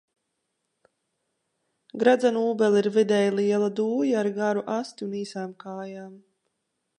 Gredzenūbele ir vidēji liela dūja ar garu asti un īsām kājām.